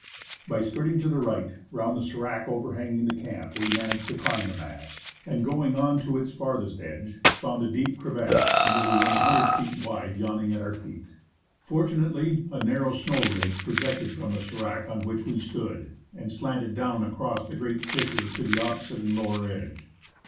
By skirting to the right, round the sdrac overhanging the camp, we managed to climb the mass, and going on to its farthest edge found a deep crevasse nearly 100 feet wide yawning at our feet. Fortunately, a nar row snow ridge projected from the sdrac on which we stood, and slanted down across the ereat fissure to the opposite and lower edo^e.